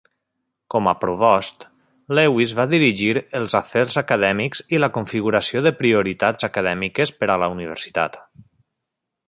Com a provost, Lewis va dirigir els afers acadèmics i la configuració de prioritats acadèmiques per a la universitat.